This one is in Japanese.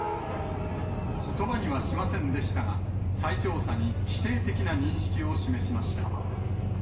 ことばにはしませんでしたが、再調査に否定的な認識を示しました。